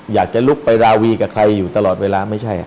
อยากจะลุกไปราวีกับใครอยู่ตลอดเวลาไม่ใช่